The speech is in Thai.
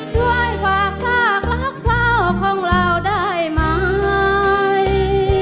ช่วยฝากซากรักเศร้าของเราได้ไหม